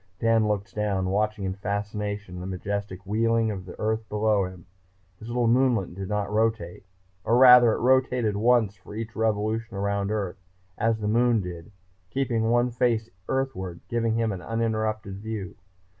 Dan looked down, watching in fascination the majestic wheeling of the Earth below him. His little moonlet did not rotate, or rather it rotated once for each revolution around Earth, as the Moon did, keeping one face earthward, giving him an uninterrupted view.